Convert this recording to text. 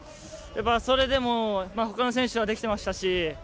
やっぱりそれでもほかの選手はできてましたし